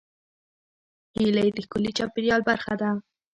هیلۍ د ښکلي چاپېریال برخه ده